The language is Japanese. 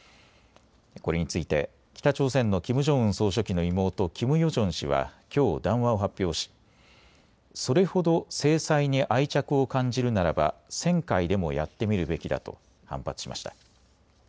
これについて北朝鮮のキム・ジョンウン総書記の妹、キム・ヨジョン氏はきょう、談話を発表しそれほど制裁に愛着を感じるならば１０００回でもやってみるべきだと反発しました。